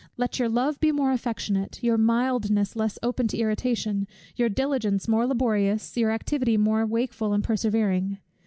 Let your love be more affectionate, your mildness less open to irritation, your diligence more laborious, your activity more wakeful and persevering.